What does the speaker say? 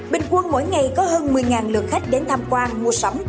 bình quân mỗi ngày có hơn một mươi lượt khách đến tham quan mua sắm